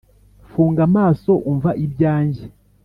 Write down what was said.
funga amaso, umva ibyanjye